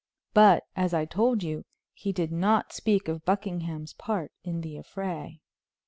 But, as I told you, he did not speak of Buckingham's part in the affray.